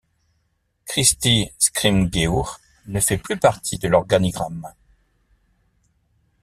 Kristy Scrymgeour ne fait plus partie de l'organigramme.